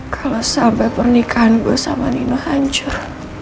kalau sampai pernikahan gue sama nino hancur